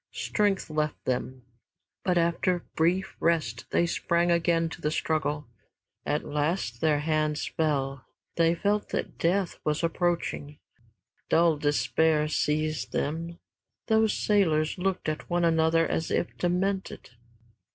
Strength left them, but after brief rest they sprang again to the struggle. At last their hands fell. They felt that death was approaching. Dull despair seized them. Those sailors looked at one another as if demented.